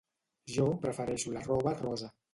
Jo prefereixo la roba rosa.